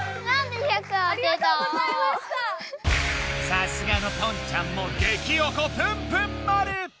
さすがのポンちゃんもげきおこプンプン丸！